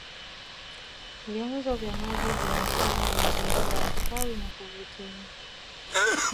vyanzo vya maji vinafanya mazingira yastawi na kuvutia